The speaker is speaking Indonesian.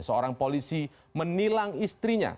seorang polisi menilang istilahnya